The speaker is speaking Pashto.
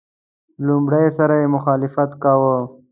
لومړي سره مخالفت کاوه.